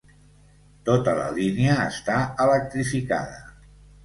Tota la línia està electrificada.